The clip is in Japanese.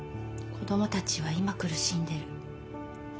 子供たちは今苦しんでる。